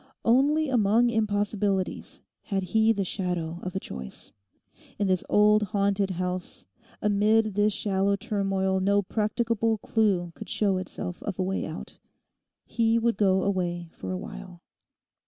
Only among impossibilities had he the shadow of a choice. In this old haunted house, amid this shallow turmoil no practicable clue could show itself of a way out. He would go away for a while.